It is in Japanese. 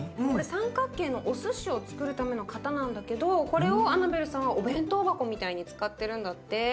これ三角形のおすしをつくるための型なんだけどこれをアナベルさんはお弁当箱みたいに使ってるんだって。